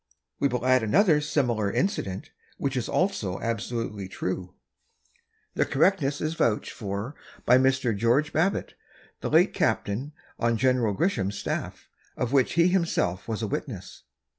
We will add another similar incident, which is also absolutely true. The correctness is vouched for by Mr. George Babbitt, late captain on Gen. Gresham's staff, of which he himself was a witness.